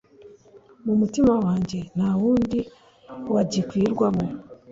mumutima wajye ntawundi wagikwirwamo